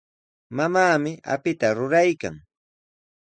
Mamaami apita ruraykan.